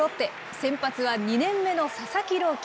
先発は２年目の佐々木朗希。